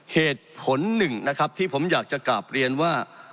เหตุผลหนึ่งนะครับที่ผมอยากจะกลับเรียนว่า